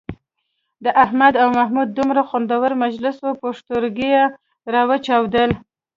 د احمد او محمد دومره خوندور مجلس وو پوښتورگي یې را وچاودل.